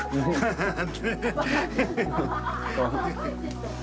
ハハハッ。